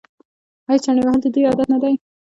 آیا چنې وهل د دوی عادت نه دی؟